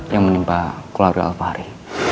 yang menimpa keluarga alvari